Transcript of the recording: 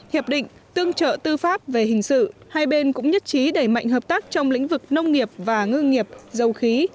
hiệp định tương trợ tư pháp về hình sự hai bên cũng nhất trí đẩy mạnh hợp tác trong lĩnh vực nông nghiệp và ngư nghiệp dầu khí